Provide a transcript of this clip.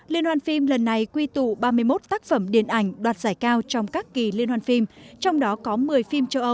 liên hoan phim lần này quy tụ ba mươi một tác phẩm điện ảnh đoạt giải cao trong các kỳ liên hoan phim trong đó có một mươi phim châu âu và hai mươi một phim của việt nam